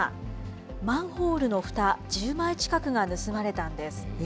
マンホールのふた１０枚近くが盗まれたんです。